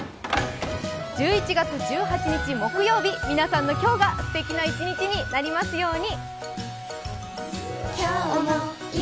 １１月１８日木曜日、皆さんの今日がすてきな一日になりますように。